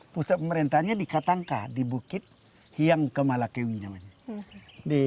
pusat pemerintahnya di ketangka di bukit hiang kemalakewi namanya